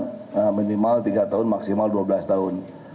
di situ ada ancamannya minimal tiga tahun maksimal dua belas tahun